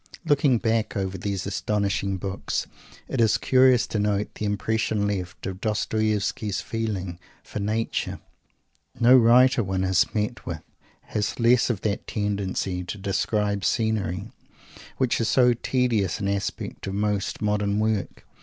Looking back over these astonishing books, it is curious to note the impression left of Dostoievsky's feeling for "Nature." No writer one has met with has less of that tendency to "describe scenery," which is so tedious an aspect of most modern work.